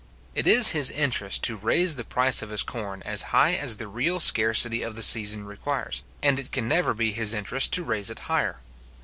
It is his interest to raise the price of his corn as high as the real scarcity of the season requires, and it can never be his interest to raise it higher.